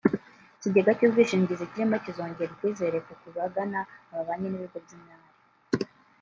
Ikigega cy’ubwishingizi kirimo kizongera icyizere ku bagana amabanki n’ibigo by’imari